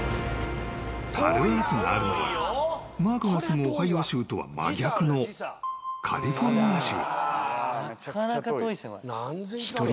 ［ＣａｌＡｒｔｓがあるのはマークが住むオハイオ州とは真逆のカリフォルニア州］